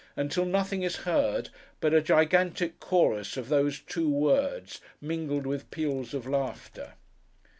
until nothing is heard but a gigantic chorus of those two words, mingled with peals of laughter.